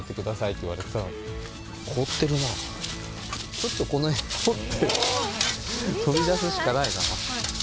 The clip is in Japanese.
ちょっとこの辺掘って取り出すしかないな。